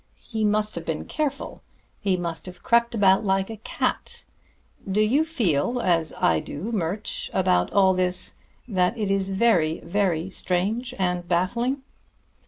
He must have been careful. He must have crept about like a cat.... Do you feel as I do, Murch, about all this: that it is very, very strange and baffling?"